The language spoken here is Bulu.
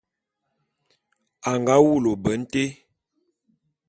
A nga wulu ôbe nté.